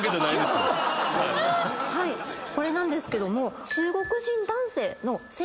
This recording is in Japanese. これなんですけども。